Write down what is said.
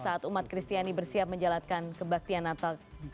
saat umat kristiani bersiap menjalankan kebaktian natal